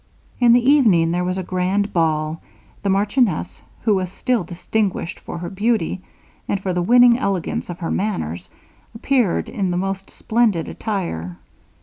In the evening there was a grand ball: the marchioness, who was still distinguished for her beauty, and for the winning elegance of her manners, appeared in the most splendid attire.